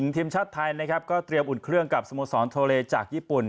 ทีมชาติไทยนะครับก็เตรียมอุ่นเครื่องกับสโมสรโทเลจากญี่ปุ่น